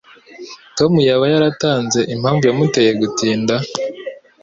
Tom yaba yaratanze impamvu yamuteye gutinda?